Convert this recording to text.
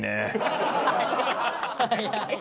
早い。